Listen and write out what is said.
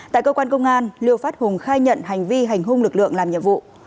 tại cơ quan công an liêu phát hùng khai nhận hành vi hành hung lực lượng làm nhiệm vụ